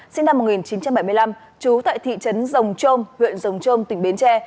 sinh năm một nghìn chín trăm bảy mươi năm trú tại thị trấn rồng trôm huyện rồng trôm tỉnh bến tre